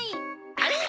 あれ？